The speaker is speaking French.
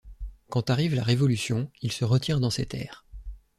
Quand arrive la Révolution, il se retire dans ses terres.